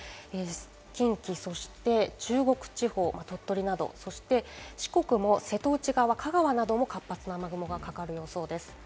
近畿、そして中国地方、鳥取など、そして四国も瀬戸内側、香川なども活発な雨雲がかかる予想です。